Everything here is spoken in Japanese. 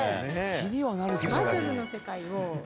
気にはなるけど。